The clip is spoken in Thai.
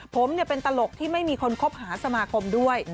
ผมเป็นตลกที่ไม่มีคนคบหาสมาคมด้วย